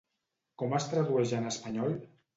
Com es tradueix en espanyol?